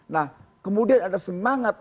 nah kemudian ada semangat